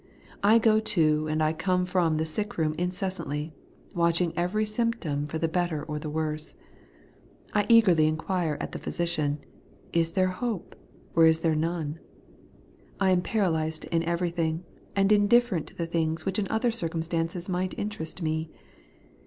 I go to and I come from the sick room incessantly, watching every symptom for the better or the worse. I eagerly inquire at the physician, Is there hope, or is there none ? I am paralyzed in everything, and indifferent to the things which in other circumstances might interest me.